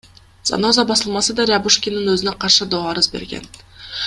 Заноза басылмасы да Рябушкиндин өзүнө каршы доо арыз берген.